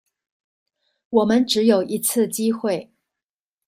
我們只有一次機會